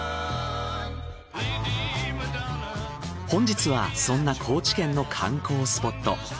本日はそんな高知県の観光スポット